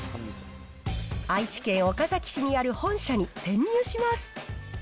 愛知県岡崎市にある本社に潜入します。